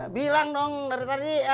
bilang dong dari tadi